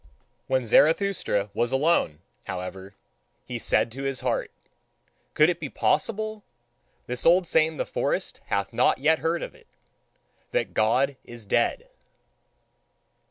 When Zarathustra was alone, however, he said to his heart: "Could it be possible! This old saint in the forest hath not yet heard of it, that GOD IS DEAD!"